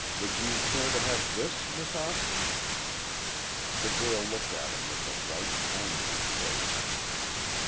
Would you care to have this, Miss Austin?" The girl looked at him with a white, angry face.